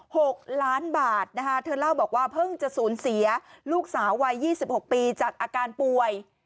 หกล้านบาทนะคะเธอเล่าบอกว่าเพิ่งจะสูญเสียลูกสาววัยยี่สิบหกปีจากอาการป่วย